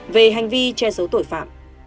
về hành vi che giấu tội phạm